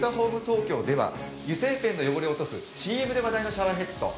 東京では油性ペンの汚れを落とすＣＭで話題のシャワーヘッド。